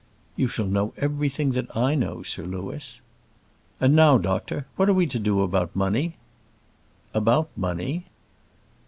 "You shall know everything that I know, Sir Louis." "And now, doctor, what are we to do about money?" "About money?"